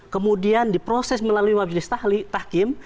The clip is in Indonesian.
kemudian diproses melalui majelis tahkim